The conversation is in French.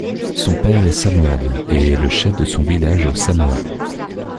Son père est samoan et est le chef de son village aux Samoa.